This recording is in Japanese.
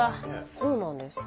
そうなんです。